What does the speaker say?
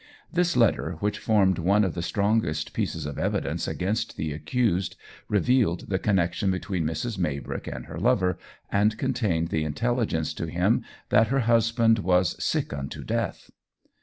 This letter, which formed one of the strongest pieces of evidence against the accused, revealed the connection between Mrs. Maybrick and her lover, and contained the intelligence to him that her husband was "sick unto death."